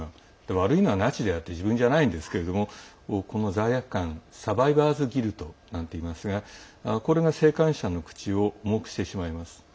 悪いのはナチであって自分じゃないんですけれどもこの罪悪感サバイバーズ・ギルトなんていいますがこれが生還者の口を重くしてしまいます。